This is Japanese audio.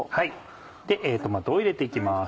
トマトを入れて行きます。